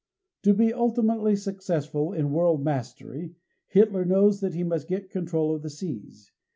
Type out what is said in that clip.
To be ultimately successful in world mastery, Hitler knows that he must get control of the seas.